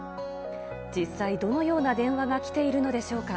実際、どのような電話が来ているのでしょうか。